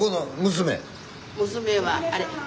娘はあれ。